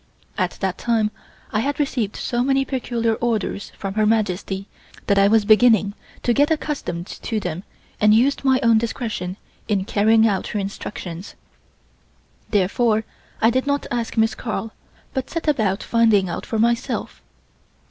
At that time I had received so many peculiar orders from Her Majesty that I was beginning to get accustomed to them and used my own discretion in carrying out her instructions. Therefore I did not ask Miss Carl, but set about finding out for myself.